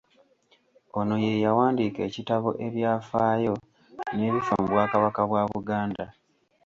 Ono ye yawandiika ekitabo “Ebyafaayo n'ebifa mu bwakabaka bwa Buganda.῝